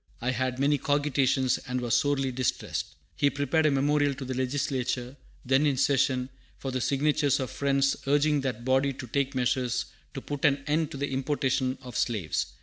I had many cogitations, and was sorely distressed." He prepared a memorial to the Legislature, then in session, for the signatures of Friends, urging that body to take measures to put an end to the importation of slaves.